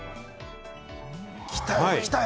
来たよ！